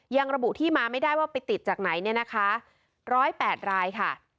ยังระบุที่มาไม่ได้ว่าไปติดจากไหนเนี่ยนะคะ๑๐๘รายค่ะ